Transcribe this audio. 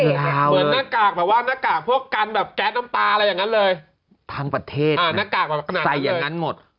ทางประเทศใส่อย่างนั้นหมด